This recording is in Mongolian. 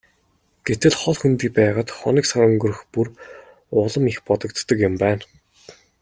Гэтэл хол хөндий байгаад хоног сар өнгөрөх бүр улам их бодогддог юм байна.